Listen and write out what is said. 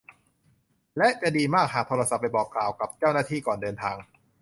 และจะดีมากหากโทรศัพท์ไปบอกกล่าวกับเจ้าหน้าที่ก่อนเดินทาง